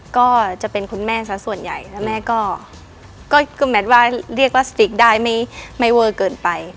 ก็จะเป็นคุณแม่ซะส่วนใหญ่แล้วแม่ก็แมทว่าเรียกพลาสติกได้ไม่เวอร์เกินไป